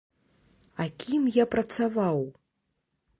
А кім я працаваў?